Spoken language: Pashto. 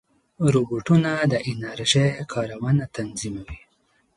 روبوټونه د انرژۍ کارونه تنظیموي.